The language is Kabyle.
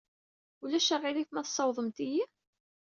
Ulac aɣilif ma tessawḍemt-iyi?